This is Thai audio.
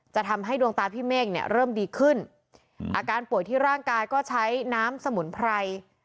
จะทำให้ดวงตาพี่เมฆเนี่ยเริ่มดีขึ้นอาการป่วยที่ร่างกายก็ใช้น้ำสมุนไพร